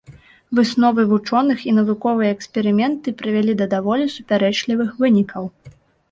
Высновы вучоных і навуковыя эксперыменты прывялі да даволі супярэчлівых вынікаў.